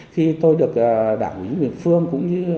khi tôi được đảm bí miệng phương cũng như